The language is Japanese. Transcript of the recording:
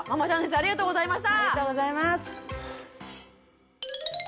ありがとうございます！